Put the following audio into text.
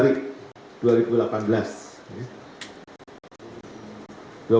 dua minggu kemudian